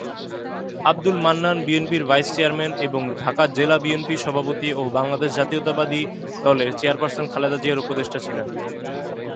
আব্দুল মান্নান বিএনপির vice chairman এবং ঢাকা জেলা বিএনপি সভাপতি ও বাংলাদেশ জাতীয়তাবাদী দলের চেয়ারপারসন খালেদা জিয়ার উপদেষ্টা ছিলেন।